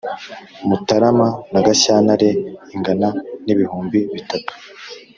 mutarama na gashyantare, ingana n’ibihumbi bitatu